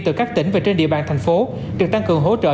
từ các tỉnh và trên địa bàn thành phố được tăng cường hỗ trợ